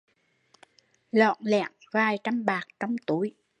Lỏn lẻn vài trăm bạc trong túi